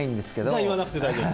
じゃあ、言わなくて大丈夫。